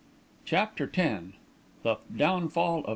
CHAPTER X THE DOWNFALL OF MR.